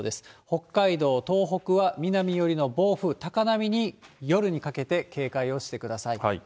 北海道、東北は南寄りの暴風、高波に夜にかけて警戒をしてください。